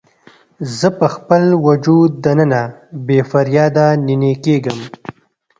زه په خپل وجود دننه بې فریاده نینې کیږم